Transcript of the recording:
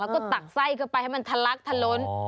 แล้วก็ตักไส้เข้าไปให้มันทะลักทะล้น